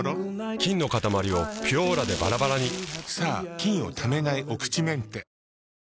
菌のかたまりを「ピュオーラ」でバラバラにさぁ菌をためないお口メンテ。